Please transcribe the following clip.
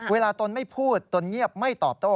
ตนไม่พูดตนเงียบไม่ตอบโต้